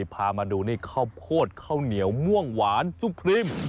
พามาดูนี่ข้าวโพดข้าวเหนียวม่วงหวานซุปพริม